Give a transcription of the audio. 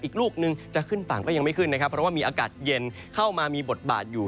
อีกลูกนึงจะขึ้นฝั่งก็ยังไม่ขึ้นนะครับเพราะว่ามีอากาศเย็นเข้ามามีบทบาทอยู่